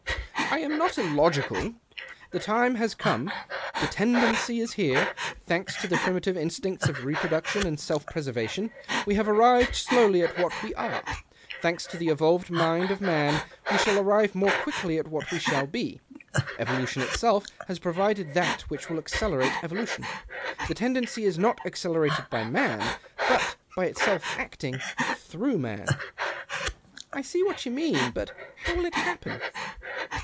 " I am not illogical. The time has come — the tendency is here. Thanks to the primitive instincts of reproduction and self preservation, we have arrived slowly at what we are. Thanks to the evolved mind of man, we shall arrive more quickly at what we shall be. Evolution itself has provided that which will accelerate evolution. The tendency is not accelerated by man, but by itself acting through man." " I see what you mean, but how will it happen